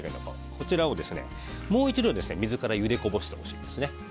こちらをもう一度、水からゆでこぼしてほしいんです。